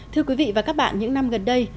thưa quý vị và các bạn những năm gần đây